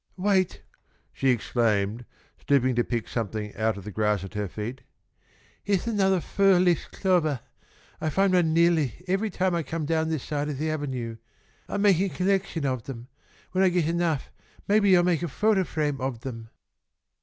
"Wait!" she exclaimed, stooping to pick something out of the grass at her feet. "Heah's anothah foah leaved clovah. I find one neahly every time I come down this side of the avenue. I'm making a collection of them. When I get enough, maybe I'll make a photograph frame of them."